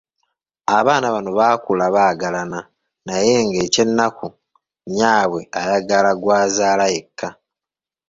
Abaana bano baakula baagaalana naye nga eky’ennaku nnyaabwe ayagala gw’azaala yekka!